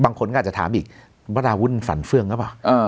บางคนก็อาจจะถามอีกวราวุ่นฝันเฟื่องหรือเปล่า